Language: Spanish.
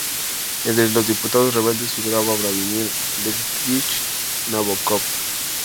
Entre los diputados rebeldes figuraba Vladímir Dmítrievich Nabókov.